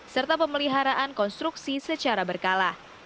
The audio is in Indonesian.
serta pemeliharaan konstruksi secara berkala